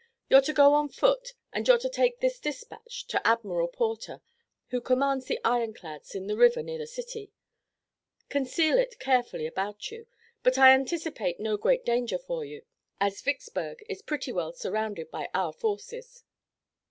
You're to go on foot, and you're to take this dispatch to Admiral Porter, who commands the iron clads in the river near the city. Conceal it carefully about you, but I anticipate no great danger for you, as Vicksburg is pretty well surrounded by our forces."